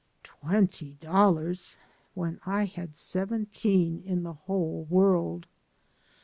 Twenty dollars! when I had seventeen in the whole world.